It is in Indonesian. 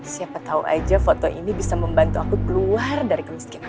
siapa tahu aja foto ini bisa membantu aku keluar dari kemiskinan